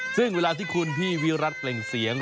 ซึ่งเวลาที่คุณพี่วิรัติเปล่งเสียง